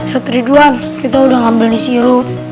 setriduan kita udah ngambil di sirup